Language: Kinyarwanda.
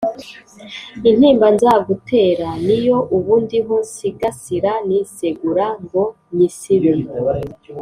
Intimba nzagutera Niyo ubu ndiho nsigasira Nisegura ngo nyisibe!